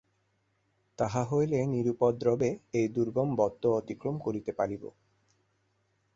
তাহা হইলে নিরুপদ্রবে এই দুর্গম বত্ম অতিক্রম করিতে পারিব।